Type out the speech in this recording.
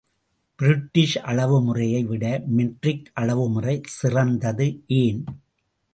British அளவுமுறையை விட metric அளவுமுறை சிறந்தது ஏன்?